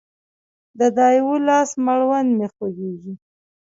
د دا يوه لاس مړوند مې خوږيږي